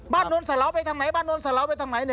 บ้านโน้นสะเลาะไปทางไหนบ้านโน้นสะเลาะไปทางไหน